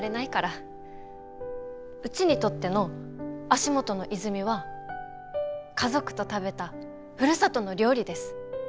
うちにとっての足元の泉は家族と食べたふるさとの料理です。